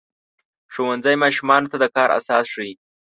ښوونځی ماشومانو ته د کار اساس ښيي.